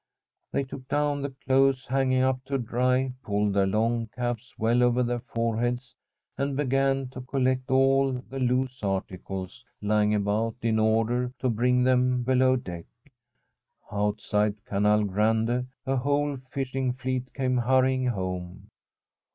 They took down the clothes hang ing; up to dry, pulled their long caps well over their foreheads, and began to collect all the loose The Fisherman's RING articles lying about in order to bring them below deck. Outside Canale Grande a whole fishing fleet came hurrying home.